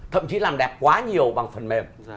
thậm chí làm đẹp quá nhiều bằng phần mềm